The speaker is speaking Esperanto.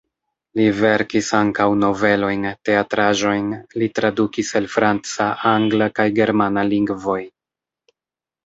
Li verkis ankaŭ novelojn, teatraĵojn, li tradukis el franca, angla kaj germana lingvoj.